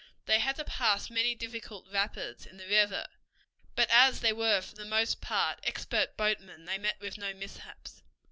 They had to pass many difficult rapids in the river, but as they were for the most part expert boatmen they met with no mishaps.